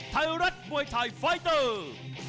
ไทยรัฐมวยไทยไฟเตอร์